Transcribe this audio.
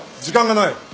時間がない。